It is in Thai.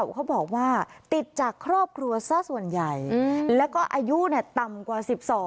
เขาบอกว่าติดจากครอบครัวซะส่วนใหญ่แล้วก็อายุต่ำกว่า๑๒